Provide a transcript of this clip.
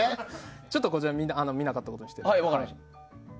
ちょっと見なかったことにして。